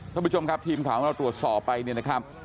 ท่านผู้ชมครับทีมข่าวของเราตรวจสอบไปเนี่ยนะครับ